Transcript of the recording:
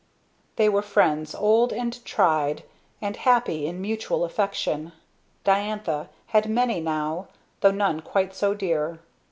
They were friends old and tried, and happy in mutual affection. Diantha had many now, though none quite so dear.